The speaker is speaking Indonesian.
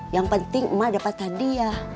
yang penting emak dapat hadiah